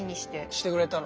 してくれたの。